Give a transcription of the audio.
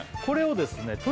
これをですね